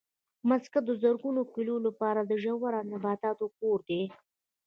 مځکه د زرګونو کلونو لپاره د ژوو او نباتاتو کور دی.